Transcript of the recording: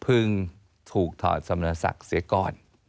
เพิ่งถูกถอดสำนักศักดิ์เสียก้อน